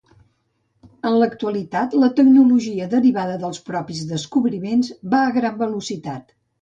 En l’actualitat la tecnologia derivada dels propis descobriments va a gran velocitat.